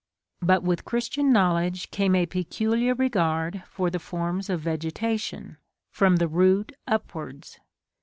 But with Christian knowledge came a peculiar regard for the forms of vegetation, from the root upwards.